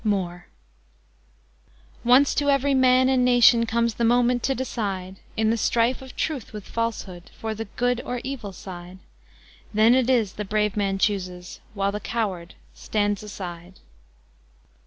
MOORE Once to every man and nation comes the moment to decide, In the strife of Truth with Falsehood, for the good or evil side; Then it is the brave man chooses, while the coward stands aside.